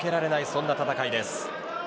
そんな戦いです。